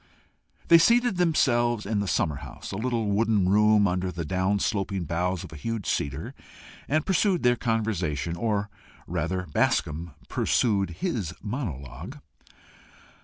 They seated themselves in the summer house, a little wooden room under the down sloping boughs of a huge cedar, and pursued their conversation or rather Bascombe pursued his monologue.